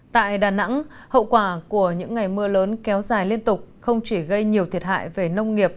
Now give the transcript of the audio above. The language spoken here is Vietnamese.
tại đà nẵng hậu quả của những ngày mưa lớn kéo dài liên tục không chỉ gây nhiều thiệt hại về nông nghiệp